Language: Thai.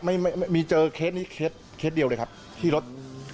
ไม่มีเจอเคสนี้เคสเคสเดียวเลยครับที่รถ